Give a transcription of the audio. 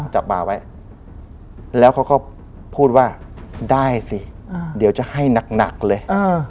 จับมาไว้แล้วเขาก็พูดว่าได้สิเดี๋ยวจะให้หนักเลย